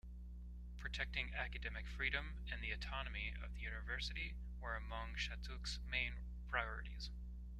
Protecting academic freedom and the autonomy of the university were among Shattuck's main priorities.